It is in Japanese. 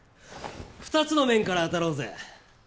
２つの面からあたろうぜ。